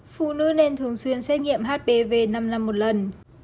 phụ nữ nên thường xuyên xét nghiệm hpv năm năm một lần